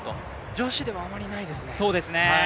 女子ではあまりいないですね。